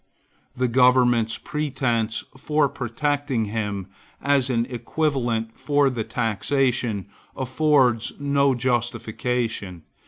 The government's pretence of protecting him, as an equivalent for the taxation, affords no justification.